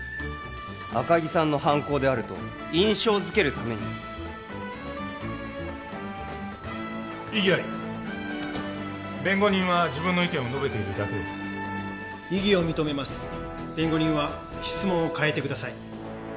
赤木さんの犯行であると印象づけるために異議あり弁護人は自分の意見を述べているだけです異議を認めます弁護人は質問を変えてください